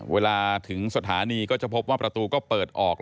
เวลาถึงสถานีก็จะพบว่าประตูก็เปิดออก